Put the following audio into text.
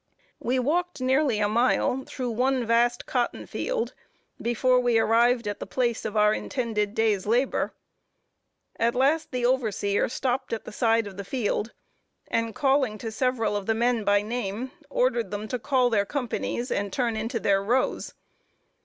We walked nearly a mile through one vast cotton field, before we arrived at the place of our intended day's labor. At last the overseer stopped at the side of the field, and calling to several of the men by name, ordered them to call their companies and turn into their rows.